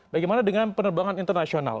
bagaimana dengan penerbangan internasional